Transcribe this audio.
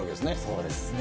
そうですね。